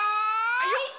あいよっ！